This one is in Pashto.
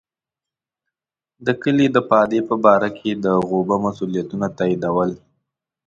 د کلي د پادې په باره کې د غوبه مسوولیتونه تاییدول.